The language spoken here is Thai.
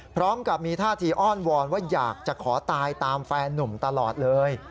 พร้อมกับมีท่าทีอ้อนวอนว่าอยากจะขอตายตามแฟนนุ่มตลอดเลย